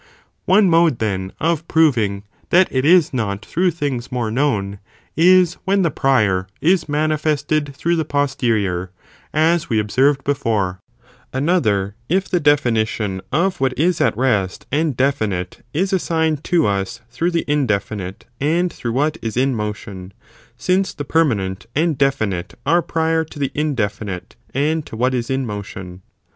One mode then (of proving) that it is not 4. what iscon through things more known, is when the prior is fantoughtnot manifested through the, posterior, as we observed defined, by the before ; another, if the definition of what is at rest 'comstant and definite, is a sign to us through the indefinite and through what is in motion, since the permanent and definite are prior to the indefinite, and to what is in motion.